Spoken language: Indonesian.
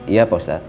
iya pak ustadz